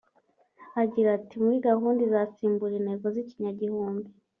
Agira ati “Muri gahunda izasimbura intego z’ikinyagihumbi